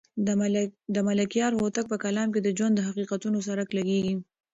د ملکیار هوتک په کلام کې د ژوند د حقیقتونو څرک لګېږي.